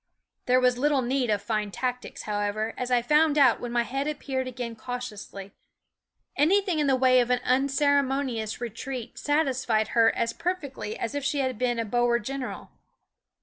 There was little need of fine tactics, however, as I found out when my head appeared again cautiously. Anything in the way of an unceremonious retreat satisfied her as perfectly as if she had been a Boer general.